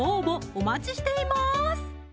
お待ちしています